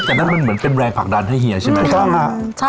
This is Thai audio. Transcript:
แต่นั่นมันเหมือนเป็นแรงผลักดันให้เฮียใช่ไหมถูกต้องฮะใช่